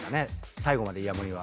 最後までイヤモニは。